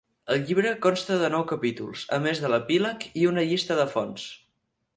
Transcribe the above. El llibre consta de nou capítols, a més de l'epíleg i una llista de fonts.